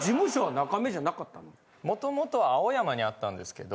元々は青山にあったんですけど。